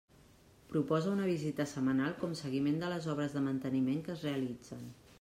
Proposa una visita setmanal com seguiment de les obres de manteniment que es realitzen.